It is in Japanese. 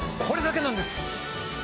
これだけなんです！